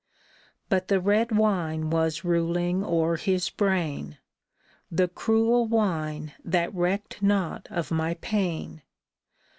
" But the red wine was ruling o'er his brain ; The cruel wine that recked not of my pain.